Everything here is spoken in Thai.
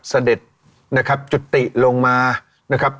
เสด็จนะครับจุติลงมานะครับ